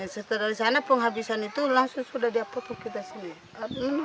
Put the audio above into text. setelah di sana penghabisan itu langsung sudah dia potong kita sini